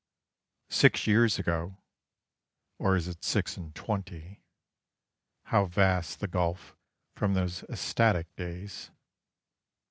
_ Six years ago or is it six and twenty? (How vast the gulf from those ecstatic days!)